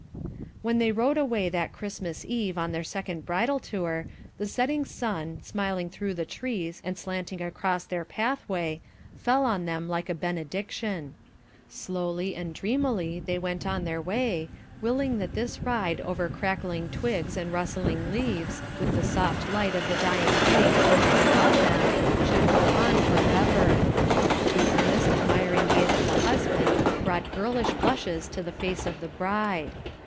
When they rode away that Christmas Eve on their second bridal tour, the setting sun, smiling through the trees and slanting across their pathway, fell on them like a benediction. Slowly and dreamily they went on their way, willing that this ride over crackling twigs and rustling leaves, with the soft, light of the dying day closing about them, should go on for ever. The earnest admiring gaze of the husband brought girlish blushes to the face of the bride.